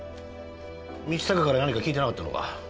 道隆から何か聞いてなかったのか？